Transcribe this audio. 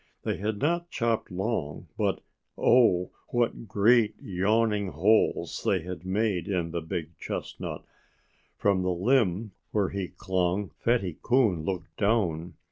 They had not chopped long but oh! what great, yawning holes they had made in the big chestnut! From the limb where he clung Fatty Coon looked down.